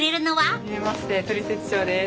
初めまして「トリセツショー」です。